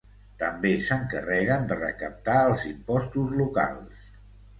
També s'encarreguen de recaptar els impostos locals.